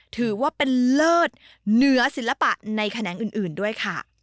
ถือว่าเป็นเลิศเหนือศิลปะในแขนงอื่นด้วยค่ะ